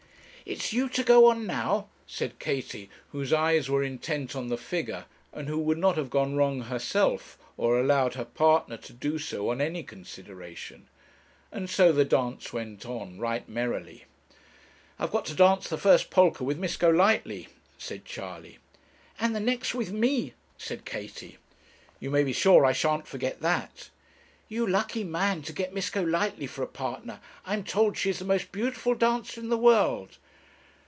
'It's you to go on now,' said Katie, whose eyes were intent on the figure, and who would not have gone wrong herself, or allowed her partner to do so, on any consideration. And so the dance went on right merrily. 'I've got to dance the first polka with Miss Golightly,' said Charley. 'And the next with me,' said Katie. 'You may be sure I shan't forget that.' 'You lucky man to get Miss Golightly for a partner. I am told she is the most beautiful dancer in the world.'